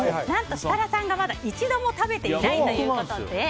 何と設楽さんが、まだ一度も食べていないということで。